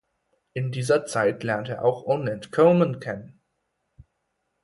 In dieser Zeit lernt er auch Ornette Coleman kennen.